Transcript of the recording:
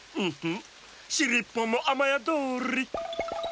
しりっぽんもあまやどり。